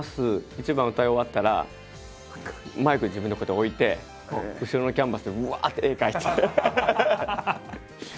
１番歌い終わったらマイク自分でこうやって置いて後ろのキャンバスでうわって絵描いて。